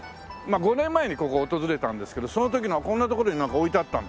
５年前にここを訪れたんですけどその時のがこんな所に置いてあったんでね。